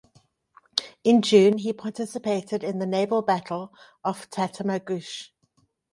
In June he participated in the Naval battle off Tatamagouche.